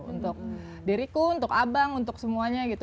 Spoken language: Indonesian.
untuk diriku untuk abang untuk semuanya gitu